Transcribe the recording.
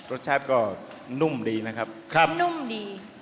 รสชาติก็นุ่มดีนะครับครับนุ่มดี